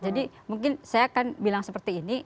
jadi mungkin saya akan bilang seperti ini